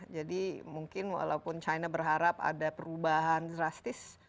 jadi mungkin walaupun china berharap ada perubahan drastis